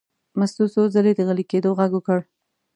مستو څو ځلې د غلي کېدو غږ وکړ.